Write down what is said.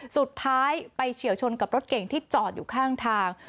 สุดท้ายไปเฉียวชนกับรถเก่งที่จอดอยู่ข้างทาง